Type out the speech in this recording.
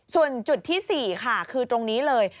ส่วนจุดที่๔ค่ะคือตรงนี้เลย